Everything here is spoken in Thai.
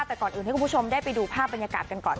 แต่ก่อนอื่นให้คุณผู้ชมได้ไปดูภาพบรรยากาศกันก่อน